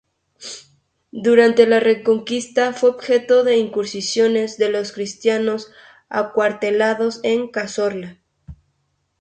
Durante la Reconquista fue objetivo de incursiones de los cristianos acuartelados en Cazorla.